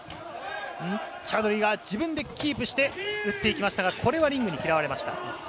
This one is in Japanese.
チャウドリーが自分でキープして打っていきましたが、これはリングに嫌われました。